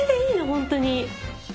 本当に。